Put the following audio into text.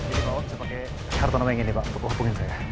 ini bawa bisa pakai harta nama yang ini pak untuk hubungin saya